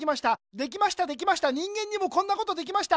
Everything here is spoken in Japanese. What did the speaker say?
できましたできました人間にもこんなことできました